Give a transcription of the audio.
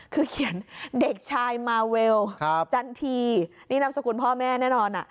คือเขียนเด็กชายมาเวลจันทีนี่นามสกุลพ่อแม่แน่นอน